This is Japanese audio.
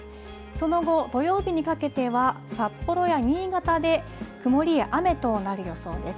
その後、土曜日にかけては札幌や新潟で曇りや雨となる予想です。